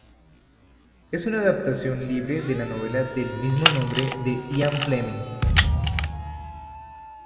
Es una adaptación libre de la novela del mismo nombre de Ian Fleming.